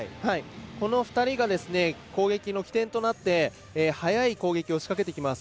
この２人が攻撃の起点となって速い攻撃を仕掛けてきます。